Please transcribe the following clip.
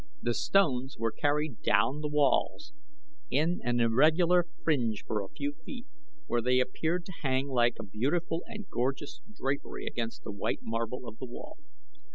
The stones were carried down the walls in an irregular fringe for a few feet, where they appeared to hang like a beautiful and gorgeous drapery against the white marble of the wall.